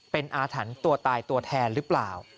เป็นอาถรรพ์ตัวตายตัวแทนหรือเปล่า